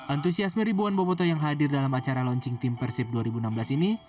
antusiasme ribuan bobotoh yang hadir dalam acara launching team persib dua ribu enam belas ini